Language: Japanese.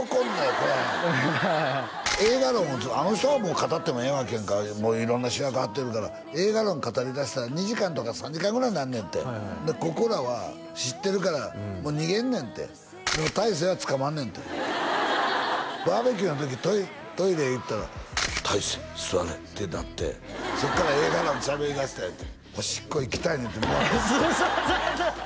これ映画論をあの人はもう語ってもええわけやんかもう色んな主役張ってるから映画論を語りだしたら２時間とか３時間ぐらいなるねんてでここらは知ってるからもう逃げんねんてでも大成は捕まるねんてバーベキューの時トイレへ行ったら「大成座れ」ってなってそっから映画論しゃべりだしたんやっておしっこ行きたいのにってそうそうそうそう！